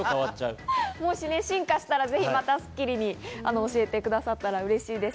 進化したら、ぜひまたスッキリに教えてくださったら嬉しいです。